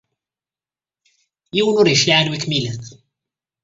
Yiwen ur yecliɛ anwa i kem-ilan.